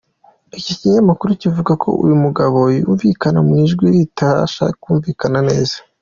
Iki kinyamakuru kivuga ko uyu mugabo yumvikana mu ijwi ritabasha kumvikana neza.